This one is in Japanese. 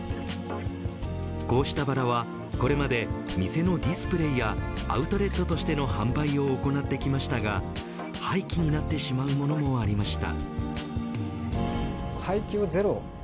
こうしたバラはこれまで店のディスプレーやアウトレットとしての販売を行ってきましたが廃棄になってしまうものもありました。